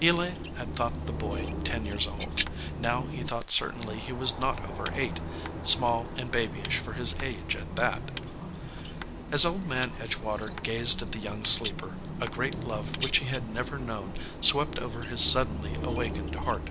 Eli had thought the boy ten years old, now he thought certainly he was not over eight, small and babyish for his age at that. As Old Man Edgewater gazed at the young sleeper, a great love which he had never known swept over his suddenly awakened heart.